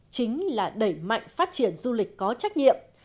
chính là đẩy mạnh phát triển du lịch có trách nhiệm